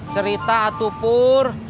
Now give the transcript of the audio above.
cerita atau pur